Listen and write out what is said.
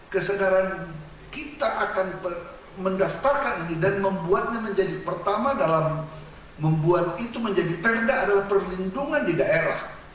kesadaran kita akan mendaftarkan ini dan membuatnya menjadi pertama dalam membuat itu menjadi perda adalah perlindungan di daerah